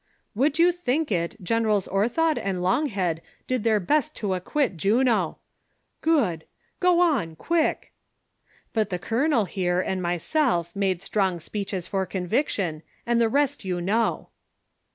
] Would you think it, Generals Orthod and Longhead did their best to acquit Juno. [Good ! Go on, quick.] But the colonel, here, and myself made strong speeches for conviction, and the result you know."